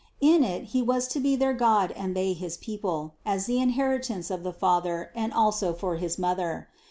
In it He was to be their God and they his people, as the inheritance of the Father and also for his Mother.